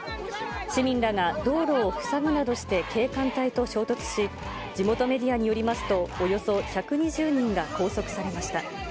市民らが道路を塞ぐなどして警官隊と衝突し、地元メディアによりますと、およそ１２０人が拘束されました。